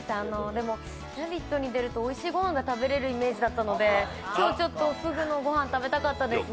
でも、「ラヴィット！」に出るとおいしいごはんが食べれるイメージでしたので今日ちょっと、ふぐのご飯食べたかったですね。